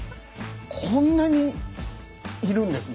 こんなにいるんですね。